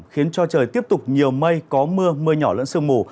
khiến cho trời tiếp tục nhiều mây có mưa mưa nhỏ lẫn sương mù